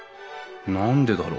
何でだろう？